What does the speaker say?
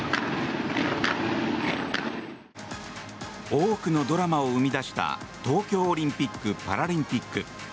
多くのドラマを生み出した東京オリンピック・パラリンピック。